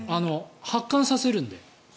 発汗させるんで。